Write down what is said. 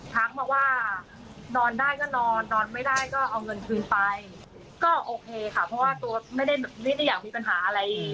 ทักมาว่านอนได้ก็นอนนอนไม่ได้ก็เอาเงินคืนไปก็โอเคค่ะเพราะว่าตัวไม่ได้ไม่ได้อยากมีปัญหาอะไร